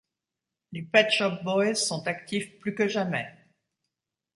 Les Pet Shop Boys sont actifs plus que jamais.